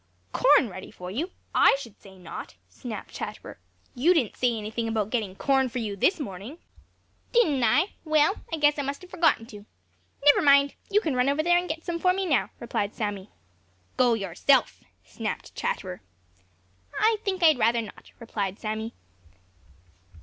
"Corn ready for you? I should say not!" snapped Chatterer. "You didn't say anything about getting corn for you this morning." "Didn't I? Well, I guess I must have forgotten to. Never mind—you can run over there and get some for me now," replied Sammy. "Go yourself!" snapped Chatterer. "I think I'd rather not," replied Sammy.